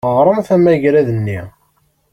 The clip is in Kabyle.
Ɣṛemt amagrad-nni.